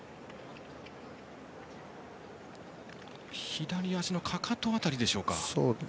左足のかかと辺りでしょうか。